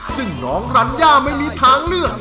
ซึ่งน้องรัญญาไม่มีทางเลือก